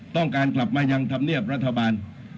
ต้องการกลับมายังธรรมเนียบรัฐบาล